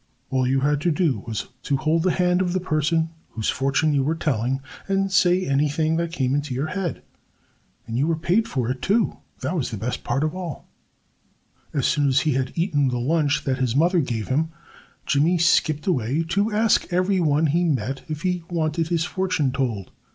All you had to do was to hold the hand of the person whose fortune you were telling and say anything that came into your head. And you were paid for it, too! That was the best part of it all. As soon as he had eaten the lunch that his mother gave him, Jimmy skipped away to ask everyone he met if he wanted his fortune told.